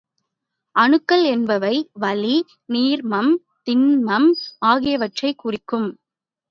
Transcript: அணுக்கள் என்பவை வளி, நீர்மம், திண்மம் ஆகியவற்றைக் குறிக்கும்.